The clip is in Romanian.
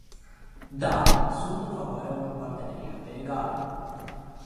Da, sunt în favoarea unor parteneriate egale!